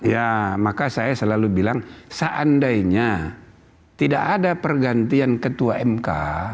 ya maka saya selalu bilang seandainya tidak ada pergantian ketua mk